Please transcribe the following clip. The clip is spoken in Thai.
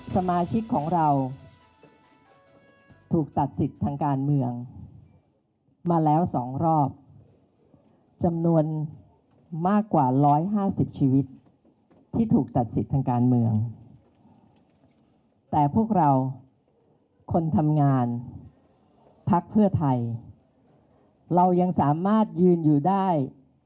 ภาคเพื่อไทยเรายังสามารถยืนอยู่ได้